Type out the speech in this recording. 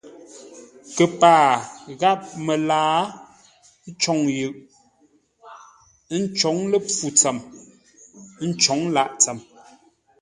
Kəpaa gháp məlaa côŋ yʉʼ, ə́ ncǒŋ ləpfû tsəm, ə́ ncǒŋ lâʼ tsəm.